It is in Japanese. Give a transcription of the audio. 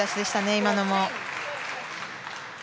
今のも。